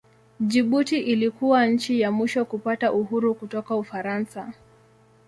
Jibuti ilikuwa nchi ya mwisho kupata uhuru kutoka Ufaransa.